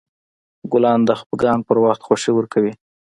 ګلان د خفګان په وخت خوښي ورکوي.